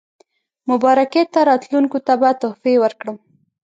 مبارکۍ ته راتلونکو ته به تحفې ورکړم.